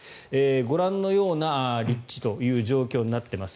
ご覧のような立地という状況になっています。